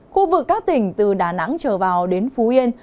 khu vực các tỉnh từ đà nẵng trở vào đến phú yên